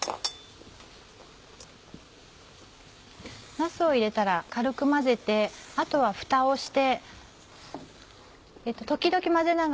なすを入れたら軽く混ぜてあとはふたをして。